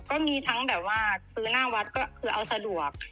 ก็มีทั้งแบบว่าซื้อหน้าวัดก็คือเอาสะดวก